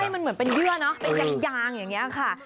มันเหมือนเป็นเยื่อเนอะเป็นยางอย่างนี้ค่ะ